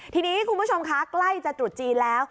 ทีนี้คุณผู้ชมคะใกล้จะตรุษจีนแล้ว